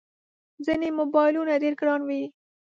ځینې موبایلونه ډېر ګران وي.